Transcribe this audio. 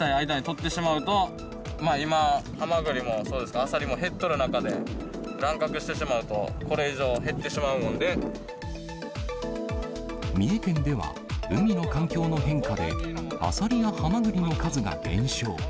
小さい間に採ってしまうと、今、ハマグリもそうですけど、アサリも減っとる中で、乱獲してしまうと、これ以上減ってしまう三重県では、海の環境の変化で、アサリやハマグリの数が減少。